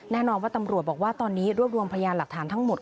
แน่นอนว่าตำรวจบอกว่าตอนนี้รวบรวมพยานหลักฐานทั้งหมด